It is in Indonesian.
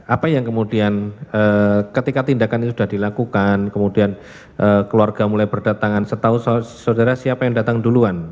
apa yang kemudian ketika tindakan ini sudah dilakukan kemudian keluarga mulai berdatangan setahu saudara siapa yang datang duluan